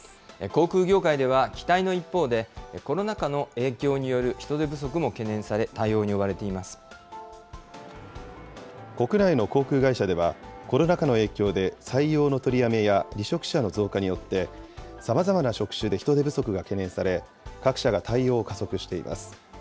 航空業界では、期待の一方で、コロナ禍の影響による人手不足も国内の航空会社では、コロナ禍の影響で採用の取りやめや離職者の増加によって、さまざまな職種で人手不足が懸念され、各社が対応を加速しています。